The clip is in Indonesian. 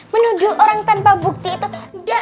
menuduh orang tanpa bukti itu gak baik